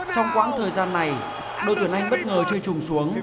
trong quãng thời gian này đội tuyển anh bất ngờ chơi trùng xuống